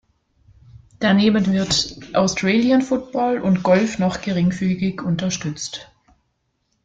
Daneben wird Australian Football und Golf noch geringfügig unterstützt.